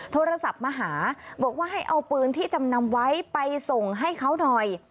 โทรศัพท์มาหาบอกว่าให้เอาปืนที่จำนำไว้ไปส่งให้เขาหน่อย